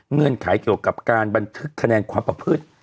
เงื่อนไขเกี่ยวกับการบันทึกคะแนนความประพฤติ